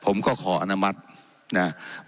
ผมก็ขออนุมัตินะครับ